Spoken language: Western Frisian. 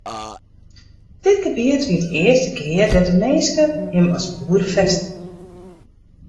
Dit gebiet wie it earste gea dêr't de minske him as boer fêstige.